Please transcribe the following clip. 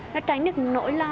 nó tránh được nỗi lo